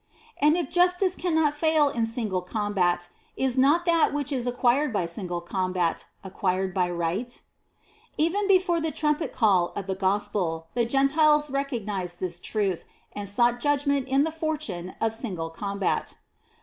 And if Justice cannot fail in single com bat, is not that which is acquired by single combat acquired by Right ? 5. Even before the trumpet call of the Gospel, the Gentiles recognized this truth, and sought judgment in the fortune of single combat.